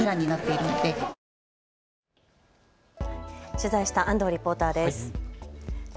取材した安藤リポーターです。